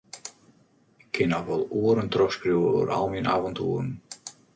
Ik kin noch wol oeren trochskriuwe oer al myn aventoeren.